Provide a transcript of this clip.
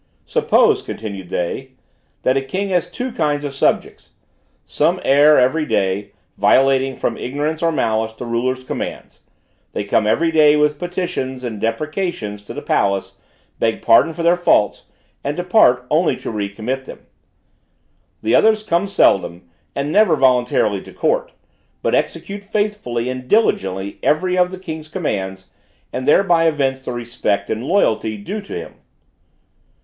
"Suppose," continued they, "that a king has two kinds of subjects: some err every day, violating from ignorance or malice the ruler's commands; they come each day with petitions and deprecations to the palace, beg pardon for their faults, and depart only to recommit them. "The others come seldom, and never voluntarily to court, but execute faithfully and diligently every of the king's commands, and thereby evince the respect and loyalty due to him.